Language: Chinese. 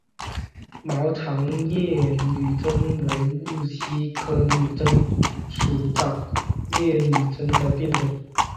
毛长叶女贞为木犀科女贞属长叶女贞的变种。